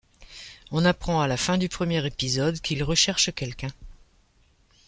On apprend à la fin du premier épisode qu'il recherche quelqu'un.